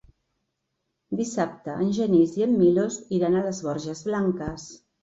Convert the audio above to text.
Dissabte en Genís i en Milos iran a les Borges Blanques.